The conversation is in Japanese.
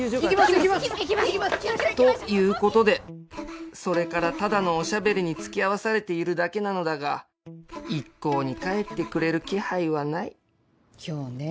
行きます！ということでそれからただのお喋りに付き合わされているだけなのだが一向に帰ってくれる気配はない現在今日ね